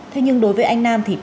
thế nhưng đối với anh nam thì đáng